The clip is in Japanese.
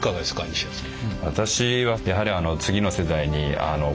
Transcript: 西谷さん。